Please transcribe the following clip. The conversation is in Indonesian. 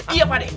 iya pak deh